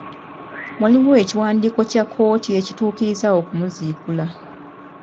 Waliwo ekiwandiiko kya kkooti ekitukkiriza okumuziikula.